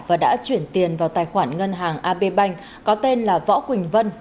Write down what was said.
và đã chuyển tiền vào tài khoản ngân hàng ab banh có tên là võ quỳnh vân